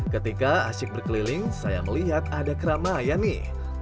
ketika asyik berkeliling saya melihat ada keramaian nih